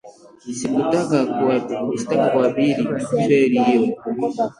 Sikutaka kuabiri feri hio